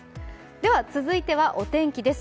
では続いてはお天気です。